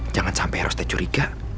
jangan sampai eros tercuriga